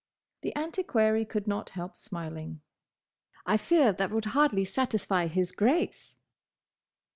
The antiquary could not help smiling. "I fear that would hardly satisfy his Grace!"